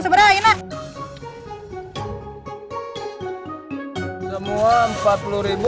semua empat puluh ribu